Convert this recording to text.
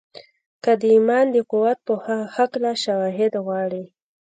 که د ايمان د قوت په هکله شواهد غواړئ.